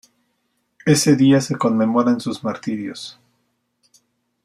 Ese día se conmemoran sus martirios.